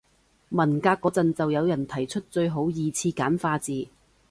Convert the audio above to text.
文革嗰陣就有人提出最好二次簡化字